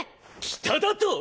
北だと！？